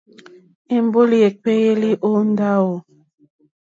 Èmbólì èkpéélì ó ndáwò.